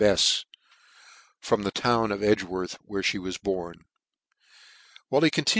Befs, from the town of Edgworth, where fhe was born. While he con|ir.